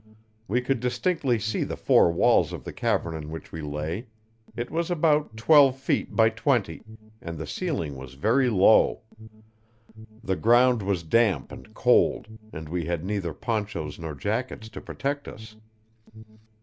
We could distinctly see the four walls of the cavern in which we lay; it was about twelve feet by twenty, and the ceiling was very low. The ground was damp and cold, and we had neither ponchos nor jackets to protect us.